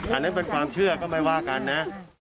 อันนั้นเป็นความเชื่อก็ไม่ว่ากันนะ